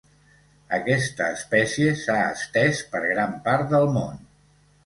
Aquesta espècie s'ha estès per gran part del món.